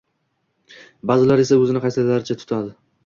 baʼzilari esa o‘zini qaysarlarcha tutadi.